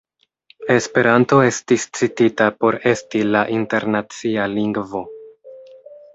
Esperanto estis citita por esti la internacia lingvo.